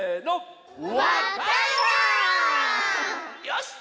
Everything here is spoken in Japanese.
よし！